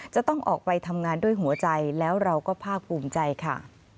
จะต้องออกไปทำงานด้วยหัวใจแล้วเราก็ภาคภูมิใจค่ะ